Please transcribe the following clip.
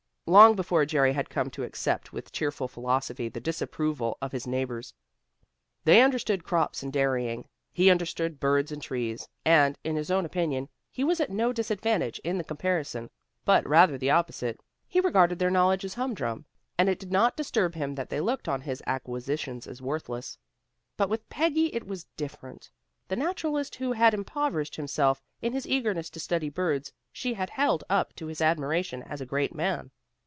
Long before Jerry had come to accept with cheerful philosophy the disapproval of his neighbors. They understood crops and dairying. He understood birds and trees, and, in his own opinion, he was at no disadvantage in the comparison, but rather the opposite. He regarded their knowledge as humdrum, and it did not disturb him that they looked on his acquisitions as worthless. But with Peggy it was different. The naturalist who had impoverished himself in his eagerness to study birds, she had held up to his admiration as a great man.